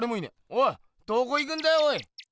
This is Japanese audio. おいどこ行くんだよおい。